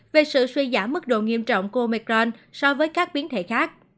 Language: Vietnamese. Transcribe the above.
về sự suy giảm mức độ nghiêm trọng của micron so với các biến thể khác